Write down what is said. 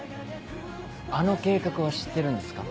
あの計画は知ってるんですか？